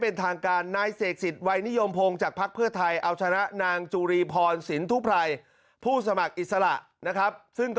นี่ครับ